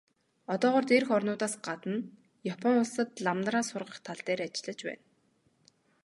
Одоогоор дээрх орнуудаас гадна Япон улсад лам нараа сургах тал дээр ажиллаж байна.